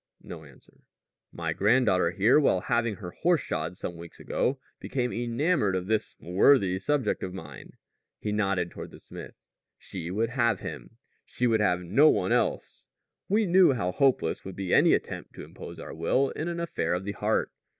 No answer. "My granddaughter here, while having her horse shod some weeks ago, became enamored of this worthy subject of mine." He nodded toward the smith. "She would have him. She would have no one else. We knew how hopeless would be any attempt to impose our will in an affair of the heart."